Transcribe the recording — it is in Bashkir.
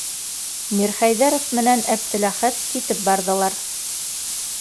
- Мирхәйҙәров менән Әптеләхәт китеп барҙылар.